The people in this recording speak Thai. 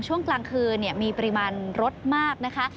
ช่วงกลางคืนมีปริมาณรถมากนะคะ